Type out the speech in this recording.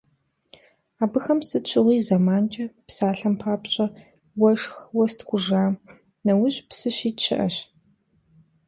Абыхэм сыт щыгъуи зэманкӀэ, псалъэм папщӀэ, уэшх, уэс ткӀуж а нэужь псы щит щыӀэщ.